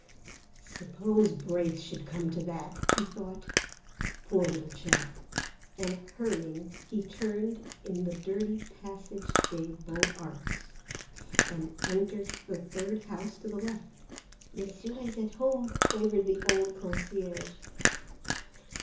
"Suppose Braith should come to that," he thought; "poor little chap;" and hurrying, he turned in the dirty passage des Beaux Arts and entered the third house to the left. "Monsieur is at home," quavered the old concierge.